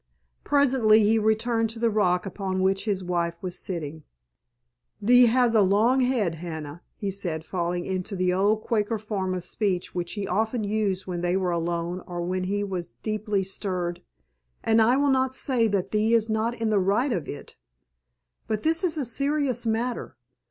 Presently he returned to the rock upon which his wife was sitting. "Thee has a long head, Hannah," he said, falling into the old Quaker form of speech which he often used when they were alone or when he was deeply stirred; "and I will not say that thee is not in the right of it. But this is a serious matter.